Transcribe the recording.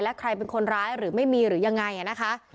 และใครเป็นคนร้ายหรือไม่มีหรือยังไงนะคะ